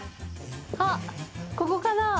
あっ、ここかなあ。